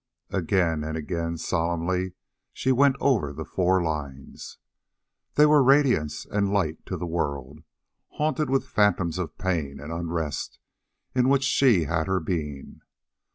Again and again, solemnly, she went over the four lines. They were radiance and light to the world, haunted with phantoms of pain and unrest, in which she had her being.